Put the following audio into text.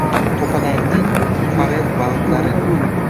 "To‘polang" ning forel baliqlari